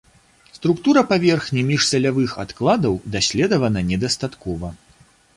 Структура паверхні міжсалявых адкладаў даследавана недастаткова.